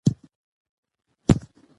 نو د ده امتحان او مبتلاء